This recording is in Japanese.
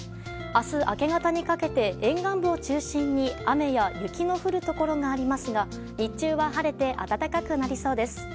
明日明け方にかけて沿岸部を中心に雨や雪の降るところがありますが日中は晴れて暖かくなりそうです。